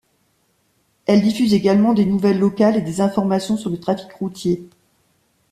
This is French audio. Elle diffuse également des nouvelles locales et des informations sur le trafic routier.